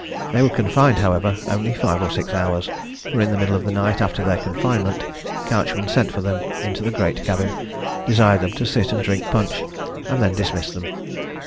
They were confined, however, only five or six hours; for, in the middle of the night after their confinement, Couchman sent for them into the great cabin, desired them to sit and drink punch, and then dismissed them.